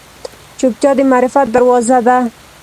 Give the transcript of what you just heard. چوپتیا، د معرفت دروازه ده.